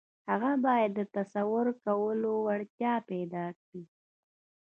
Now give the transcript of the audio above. هغه بايد د تصور کولو وړتيا پيدا کړي.